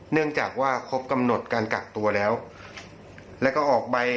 เนื่องจากว่าครบกำหนดการกักตัวแล้วแล้วก็ออกใบ